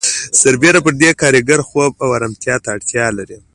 سربېره پر دې کارګر خوب او آرامتیا ته اړتیا لري